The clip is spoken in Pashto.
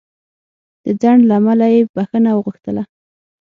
د ځنډ له امله یې بخښنه وغوښتله.